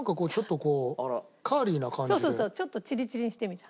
そうそうそうちょっとチリチリにしてみた。